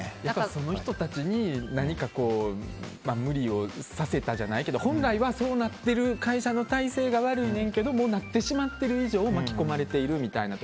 その人たちに何か無理をさせたじゃないけど本来はそうなってる会社の体制が悪いねんけどなってしまっている以上巻き込まれているみたいな。